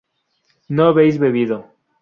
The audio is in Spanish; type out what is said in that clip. no habéis bebido